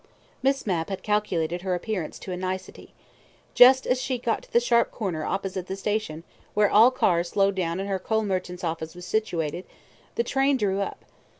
Miss Mapp had calculated her appearance to a nicety. Just as she got to the sharp corner opposite the station, where all cars slowed down and her coal merchants' office was situated, the train drew up.